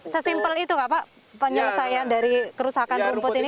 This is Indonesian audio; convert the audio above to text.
sesimpel itu pak penyelesaian dari kerusakan rumput ini